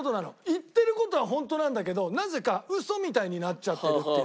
言ってる事はホントなんだけどなぜかウソみたいになっちゃってるっていう。